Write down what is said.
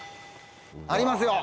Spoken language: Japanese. ありますよ。